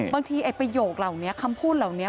ไอ้ประโยคเหล่านี้คำพูดเหล่านี้